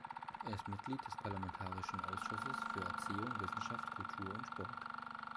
Er ist Mitglied des parlamentarischen Ausschusses für Erziehung, Wissenschaft, Kultur und Sport.